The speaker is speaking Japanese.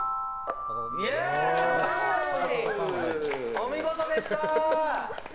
お見事でした！